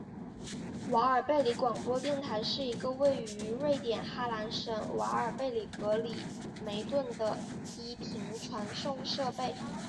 瓦尔贝里广播电台是一个位于瑞典哈兰省瓦尔贝里格里梅顿的低频传送设备。